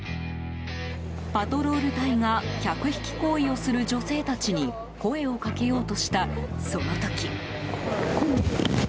パトロール隊が客引き行為をする女性たちに声をかけようとした、その時。